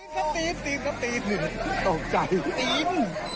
ตีนครับตีนตีนครับตีนตีนตกใจตีน